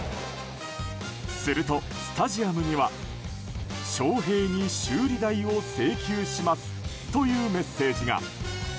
すると、スタジアムには「翔平に修理代を請求します」というメッセージが。